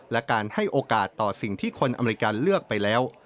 และการให้โอกาสต่อสิ่งที่คนอเมริกาเลือกไปแล้ว